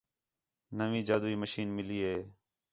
نویں جادوئی مشین ملی ہے